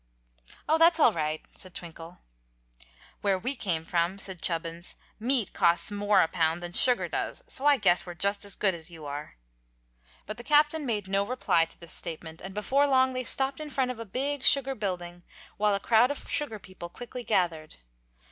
"Oh, that's all right," said Twinkle. "Where we came from," said Chubbins, "meat costs more a pound than sugar does; so I guess we're just as good as you are." But the Captain made no reply to this statement, and before long they stopped in front of a big sugar building, while a crowd of sugar people quickly gathered.